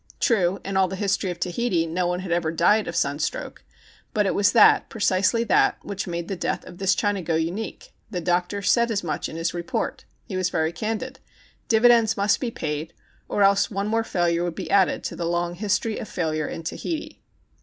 True, in all the history of Tahiti no one had ever died of sunstroke. But it was that, precisely that, which made the death of this Chinago unique. The doctor said as much in his report. He was very candid. Dividends must be paid, or else one more failure would be added to the long history of failure in Tahiti.